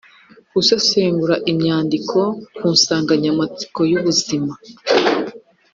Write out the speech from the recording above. Gusesengura imyandiko ku nsanganyamatsiko y’ubuzima.